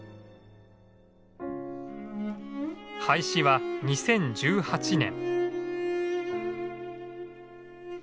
廃止は２０１８年。